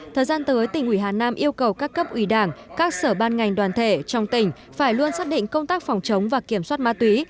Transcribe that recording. thời gian tới tỉnh ủy hà nam yêu cầu các cấp ủy đảng các sở ban ngành đoàn thể trong tỉnh phải luôn xác định công tác phòng chống và kiểm soát ma túy